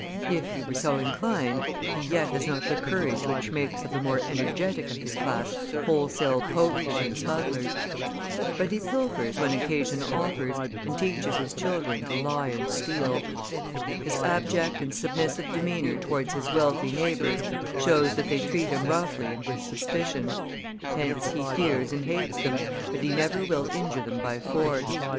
If he were so inclined, he yet has not the courage which makes of the more energetic of his class wholesale poachers and smugglers. But he pilfers when occasion offers, and teaches his children to lie and steal. His abject and submissive demeanour towards his wealthy neighbours shows that they treat him roughly and with suspicion; hence he fears and hates them, but he never will injure them by force.